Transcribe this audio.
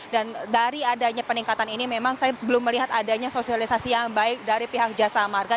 dari adanya peningkatan ini memang saya belum melihat adanya sosialisasi yang baik dari pihak jasa marga